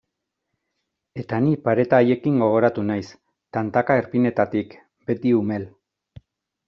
Eta ni pareta haiekin gogoratu naiz, tantaka erpinetatik, beti umel.